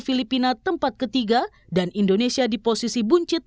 penting untuk memainkan prinsip kita